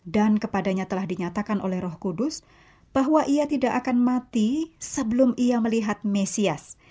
dan kepadanya telah dinyatakan oleh roh kudus bahwa ia tidak akan mati sebelum ia melihat mesias